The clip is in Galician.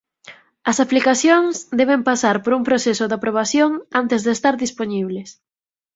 As aplicacións deben pasar por un proceso de aprobación antes de estar dispoñibles.